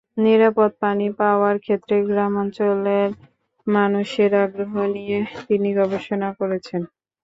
নিরাপদ পানি পাওয়ার ক্ষেত্রে গ্রামাঞ্চলের মানুষের আগ্রহ নিয়ে তিনি গবেষণা করেছেন।